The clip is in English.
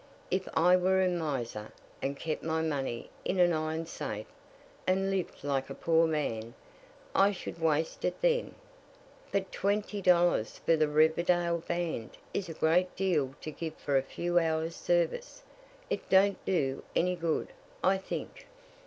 If I were a miser, and kept my money in an iron safe, and lived like a poor man, I should waste it then." "But twenty dollars for the Riverdale Band is a great deal to give for a few hours' service. It don't do any good, I think."